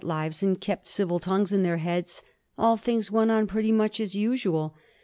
lives and kept civil tongaes in their heads all things went on pretty mach as usual. .